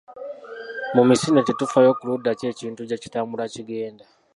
Mu misinde tetufaayo ku ludda ki ekintu gye kitambula kigenda